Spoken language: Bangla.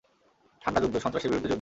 ঠান্ডা যুদ্ধ, সন্ত্রাসের বিরুদ্ধে যুদ্ধ।